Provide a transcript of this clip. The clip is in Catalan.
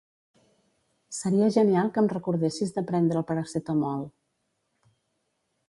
Seria genial que em recordessis de prendre el Paracetamol.